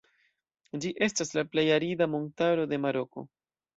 Ĝi estas la plej arida montaro de Maroko.